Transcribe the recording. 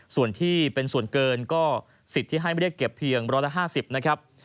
ส่วนที่เป็นส่วนเกินก็สิทธิ์ที่ให้เรียกเก็บเพียง๑๕๐นะครับ